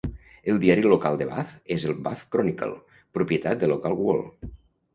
El diari local de Bath és el "Bath Chronicle", propietat de Local World.